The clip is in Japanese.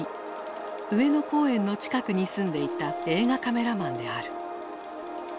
上野公園の近くに住んでいた映画カメラマンである。